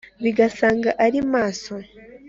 bigasanga ari maso